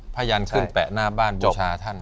ยันขึ้นแปะหน้าบ้านบูชาท่าน